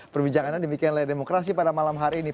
perbincangannya demikian layar demokrasi pada malam hari ini